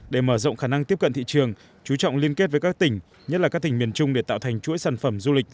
để mở rộng khả năng tiếp cận thị trường chú trọng liên kết với các tỉnh nhất là các tỉnh miền trung để tạo thành chuỗi sản phẩm du lịch